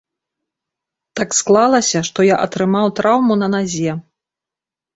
Так склалася, што я атрымаў траўму на назе.